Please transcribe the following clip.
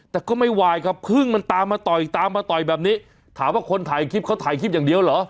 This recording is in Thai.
แต่ก็ไม่ไหวครับพึ่งมันตามมาต่อยตามมาต่อยแบบนี้ถามว่าคนถ่ายคลิปเขาถ่ายคลิปอย่างเดียวเหรอ